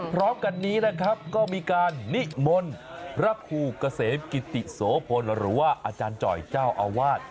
พร้อมกันนี้นะครับก็มีการนิมนต์พระครูเกษมกิติโสพลหรือว่าอาจารย์จ่อยเจ้าอาวาส